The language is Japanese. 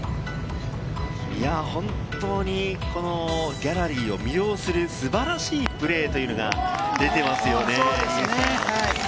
本当にギャラリーを魅了する素晴らしいプレーというのが出てますよね。